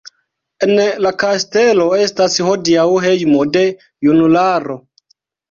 En la kastelo estas hodiaŭ hejmo de junularo.